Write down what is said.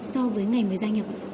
so với ngày mới gia nhập